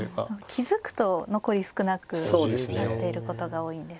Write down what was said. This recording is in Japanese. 気付くと残り少なくなっていることが多いんですが。